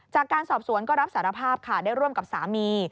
จากการสอบสวนก็รับสารภาพค่ะได้ร่วมกับสามี